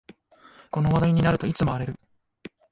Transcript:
この話題になるといつも荒れる